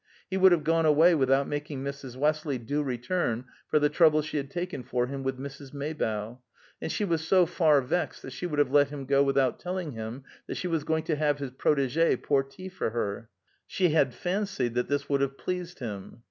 He would have gone away without making Mrs. Westley due return for the trouble she had taken for him with Mrs. Maybough, and she was so far vexed that she would have let him go without telling him that she was going to have his protégée pour tea for her; she had fancied that this would have pleased him.